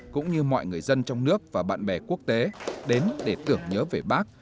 cũng như mọi người dân trong nước và bạn bè quốc tế đến để tưởng nhớ về bác